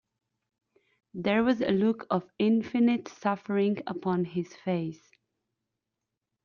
There was a look of infinite suffering upon his face.